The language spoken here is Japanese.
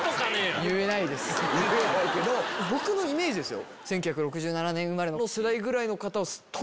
僕のイメージですよ。